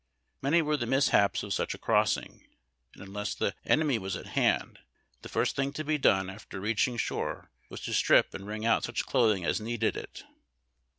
jNIany were the mishaps of such a crossing, and, unless the enemy was at hand, the first thing to be done after reaching shore was to strip and wrinq; out such clothins; i^s needed it.